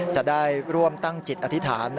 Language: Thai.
จะได้ร่วมตั้งจิตอธิษฐาน